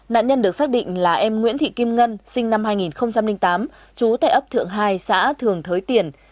nạn nhân được xác định là em nguyễn thị kim ngân sinh năm hai nghìn tám chú tại ấp thượng hai xã thường thới tiền